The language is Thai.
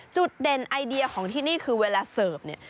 จุดเด่นไอเดียของที่นี่คือเวลาเสิร์ฟเนี่ย